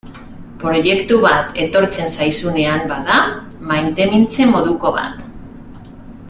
Proiektu bat etortzen zaizunean bada maitemintze moduko bat.